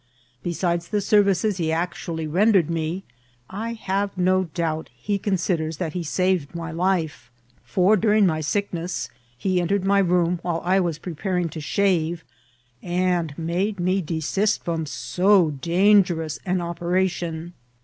Besides the services he actually ren* dered me, I have no doubt he considers that he saved my life ; for during my sickness he entered my room while I was preparing to shave, and made me desist from so dangerous an operation.